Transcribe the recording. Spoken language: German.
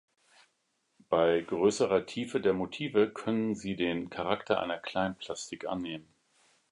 Bei größerer Tiefe der Motive können sie den Charakter einer Kleinplastik annehmen.